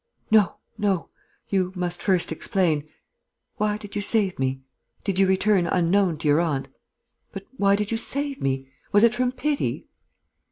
"No ... no ... you must first explain.... Why did you save me? Did you return unknown to your aunt? But why did you save me? Was it from pity?"